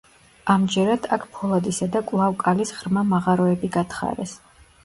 ამჯერად აქ ფოლადისა და კვლავ კალის ღრმა მაღაროები გათხარეს.